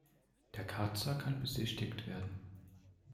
Der Karzer kann besichtigt werden.